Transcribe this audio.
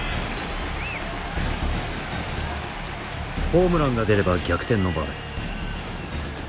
ホームランが出れば逆転の場面。